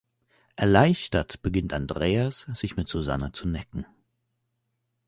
Erleichtert beginnt Andreas, sich mit Susanne zu necken.